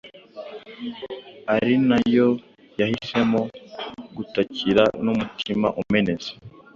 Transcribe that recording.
ari na Yo yahisemo gutakira n’umutima umenetse.